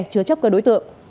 chứa chấp các đối tượng